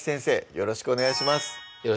よろしくお願いします